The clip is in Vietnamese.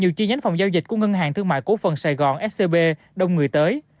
nhiều chi nhánh phòng giao dịch của ngân hàng thương mại cổ phần sài gòn scb đông người tới